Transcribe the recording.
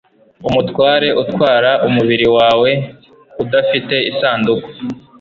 umutware utwara umubiri wawe udafite isanduku